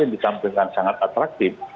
yang ditampilkan sangat atraktif